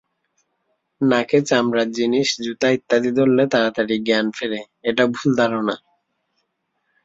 নাকে চামড়ার জিনিস, জুতা ইত্যাদি ধরলে তাড়াতাড়ি জ্ঞান ফেরে—এটা ভুল ধারণা।